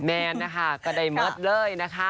แนนนะคะก็ได้เมิร์ดเลยนะคะ